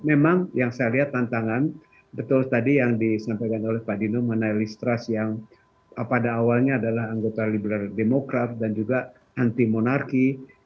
memang yang saya lihat tantangan betul tadi yang disampaikan oleh pak dino mengenai list trust yang pada awalnya adalah anggota liberal demokrat dan juga anti monarki